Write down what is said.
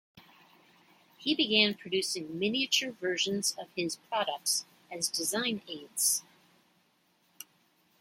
He began producing miniature versions of his products as design aids.